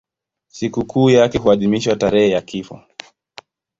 Sikukuu yake huadhimishwa tarehe ya kifo.